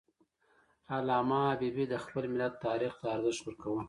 علامه حبیبي د خپل ملت تاریخ ته ارزښت ورکاوه.